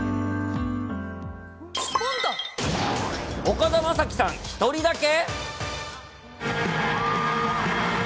岡田将生さん１人だけ？